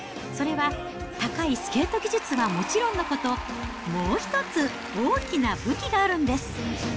それは高いスケート技術はもちろんのこと、もう一つ、大きな武器があるんです。